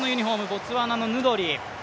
ボツワナのヌドリ。